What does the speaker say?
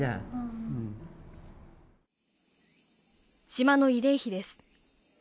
島の慰霊碑です。